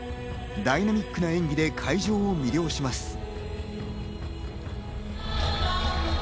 ダイナミックな演技で会場を魅了します。